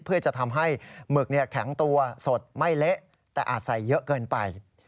เพื่อจะทำให้หมึกแข็งตัวสดไม่เละแต่อาจใส่เยอะเกินไป